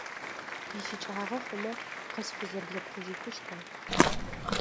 Ищыкӏагъэу хъумэ, къысфызэблэшъухъужьыщта?